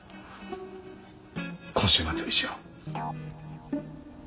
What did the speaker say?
今週末にしよう。